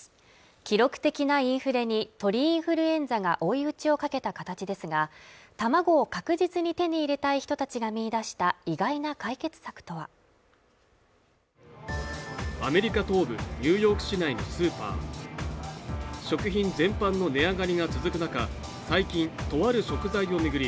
記録的なインフレに鳥インフルエンザが追い打ちをかけた形ですが卵を確実に手に入れたい人たちが見いだした意外な解決策とはアメリカ東部ニューヨーク市内のスーパー食品全般の値上がりが続く中最近とある食材を巡り